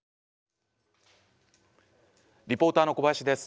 リポーターの小林です。